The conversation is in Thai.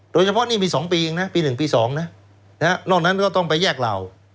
โดยเฉพาะนี่มี๒ปีเองนะปี๑ปี๒นะนอกนั้นก็ต้องไปแยกเหล่า